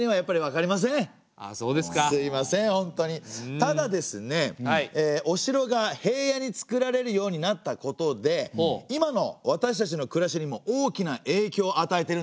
ただですねお城が平野につくられるようになったことで今の私たちの暮らしにも大きなえいきょうを与えてるんですね。